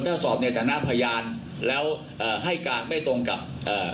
ถ้าสอบในฐานะพยานแล้วเอ่อให้การไม่ตรงกับเอ่อ